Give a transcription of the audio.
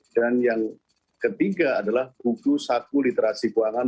dan yang ketiga adalah buku saku literasi keuangan